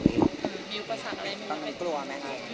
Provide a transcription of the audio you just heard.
มีอุปสรรคอย่างไรฟังไม่กลัวแม่